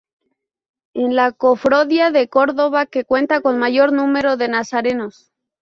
Es la cofradía de Córdoba que cuenta con mayor número de nazarenos.